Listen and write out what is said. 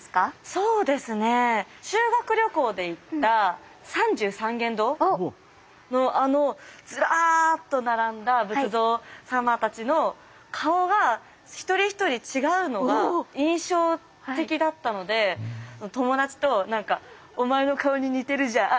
そうですね修学旅行で行った三十三間堂のあのズラーっと並んだ仏像様たちの顔が一人一人違うのが印象的だったので友達と何か「お前の顔に似てるじゃん」